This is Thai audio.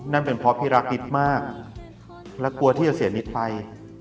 นั่นเป็นเพราะพี่รักนิดมากและกลัวที่จะเสียนิดไป